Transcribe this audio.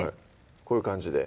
こういう感じで？